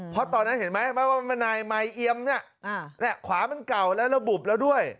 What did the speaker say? เพราะตอนนั้นเห็นไหมว่ามันนายไมค์เอียมเนี่ยขวามันเก่าแล้วระบุแล้วด้วย